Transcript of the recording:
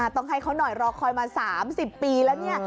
ต้องให้เขาหน่อยรอคอยมา๓๐ปีแล้วเนี่ย